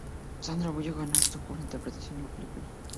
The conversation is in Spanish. Sandra Bullock ganó el por su interpretación en la película.